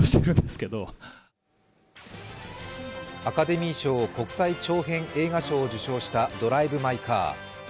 アカデミー賞国際長編映画賞を受賞した「ドライブ・マイ・カー」。